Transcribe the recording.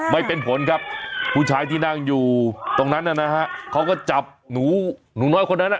ไม่เป็นผลครับผู้ชายที่นั่งอยู่ตรงนั้นนะฮะเขาก็จับหนูหนูน้อยคนนั้นอ่ะ